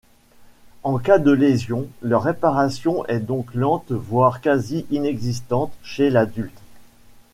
En cas de lésions, leur réparation est donc lente voire quasi inexistante chez l'adulte.